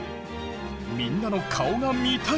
みんなの顔が見たい！